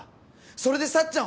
それでさっちゃん